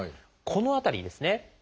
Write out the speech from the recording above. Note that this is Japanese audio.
この辺りにですね